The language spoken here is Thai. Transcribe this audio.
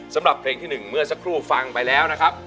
สำหรับเพลงที่๑เมื่อสักครู่ฟังไปแล้วนะครับ